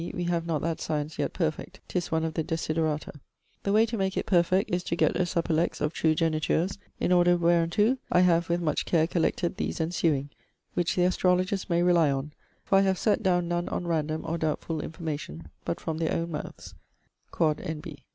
we have not that science yet perfect; 'tis one of the desiderata. The way to make it perfect is to gett a supellex of true genitures; in order wherunto I have with much care collected these ensuing, which the astrologers may rely on, for I have sett doune none on randome, or doubtfull, information, but from their owne mouthes: quod N. B.'